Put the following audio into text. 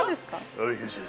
阿部です！